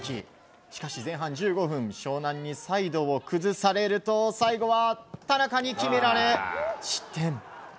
しかし、前半１５分湘南にサイドを崩されると最後は田中に決められ失点。